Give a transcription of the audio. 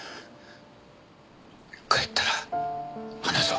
帰ったら話そう。